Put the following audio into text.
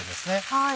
はい。